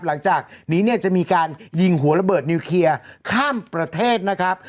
หลังจากนี้เนี่ยจะมีการยิงหัวระเบิดนิวเคลียร์ข้ามประเทศนะครับ